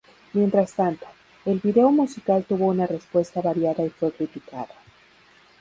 Mientras tanto, el video musical tuvo una respuesta variada y fue criticado.